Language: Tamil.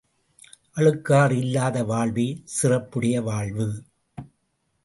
அழுக்காறு இல்லாத வாழ்வே சிறப்புடைய வாழ்வு.